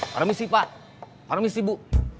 permisi pak permisi bu